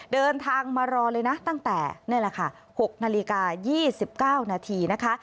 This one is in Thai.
เดินทางมารอเลยนะตั้งแต่นี่แหละค่ะ๖นาฬิกา๒๙นาทีนะคะ